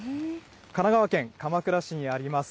神奈川県鎌倉市にあります